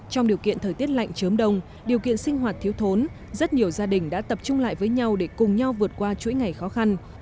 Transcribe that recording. trong điều kiện thời tiết lạnh chớm đông điều kiện sinh hoạt thiếu thốn rất nhiều gia đình đã tập trung lại với nhau để cùng nhau vượt qua chuỗi ngày khó khăn